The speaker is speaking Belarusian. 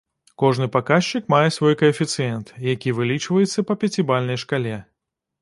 Кожны паказчык мае свой каэфіцыент, які вылічваецца па пяцібальнай шкале.